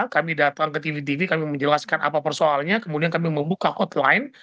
kami datang ke tv tv kami menjelaskan apa persoalnya kemudian kami membuka hotline